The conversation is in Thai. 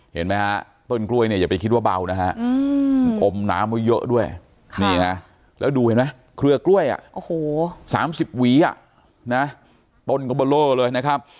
เห็นมั้ยฮะต้นกล้วยเนี่ยอย่าไปคิดว่าเบานะฮะอมน้ำเยอะด้วยแล้วดูเห็นมั้ยเคลือกล้วยอ่ะ๓๐วีอ่ะต้นกบโล่เลยนะครับ